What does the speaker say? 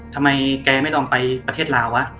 ทำไมแกไม่ต้องไปประเทศลาวะ